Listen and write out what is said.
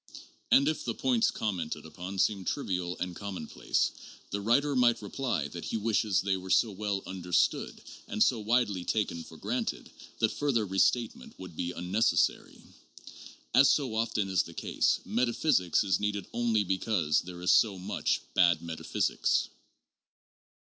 And if the points commented upon seem trivial and commonplace, the writer might reply that he wishes they were so well understood and so widely taken for granted that 169 170 JOURNAL OF PHILOSOPHY further restatement would be unnecessary. As so often is the case, metaphysics is needed only because there is so much bad metaphysics.